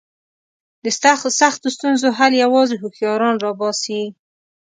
د سختو ستونزو حل یوازې هوښیاران را باسي.